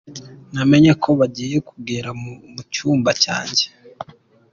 Namenye ko bagiye kugera mu cyumba cyanjye.